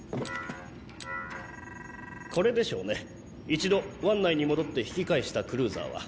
これでしょうね一度湾内に戻って引き返したクルーザーは。